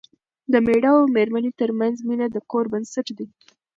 د مېړه او مېرمنې ترمنځ مینه د کور بنسټ دی.